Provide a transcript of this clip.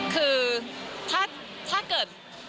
คือถ้าเกิด